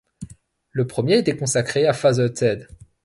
Le premier était consacré à Father Ted.